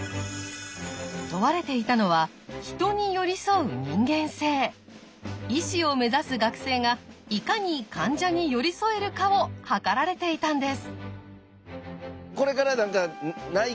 問われていたのは医師を目指す学生がいかに患者に寄り添えるかを測られていたんです。